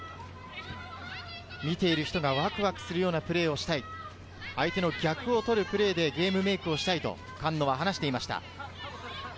見ている人がワクワクするようなプレーをしたい、相手の逆を取るプレーでゲームメイクをしたいと菅野は話していました。